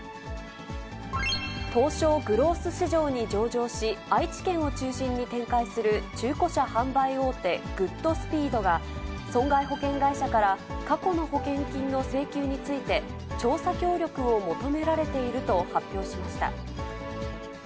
東証グロース市場に上場し、愛知県を中心に展開する中古車販売大手、グッドスピードが、損害保険会社から過去の保険金の請求について、調査協力を求められていると発表しました。